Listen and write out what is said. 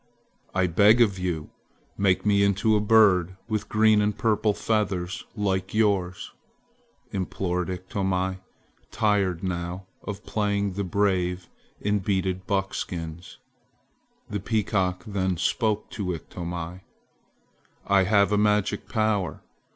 "I beg of you make me into a bird with green and purple feathers like yours!" implored Iktomi, tired now of playing the brave in beaded buckskins. The peacock then spoke to Iktomi: "I have a magic power.